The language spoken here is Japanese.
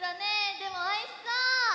でもおいしそう！